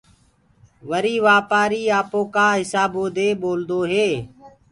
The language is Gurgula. وري وآپآري آپوڪآ هسابو دي ٻولدوئي